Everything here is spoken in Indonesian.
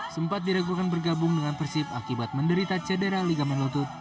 sempat diragukan bergabung dengan persib akibat menderita cedera ligamen lotup